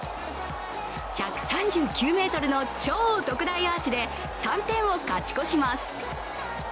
１３９ｍの超特大アーチで３点を勝ち越します。